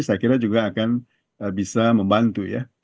saya kira juga akan bisa membantu ya